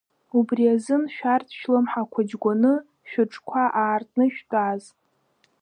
Убри азын шәарҭ шәлымҳақәа џьгәаны, шәыҿқәа аартны шәтәаз…